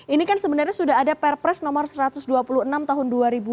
ini kan sebenarnya sudah ada perpres nomor satu ratus dua puluh enam tahun dua ribu dua puluh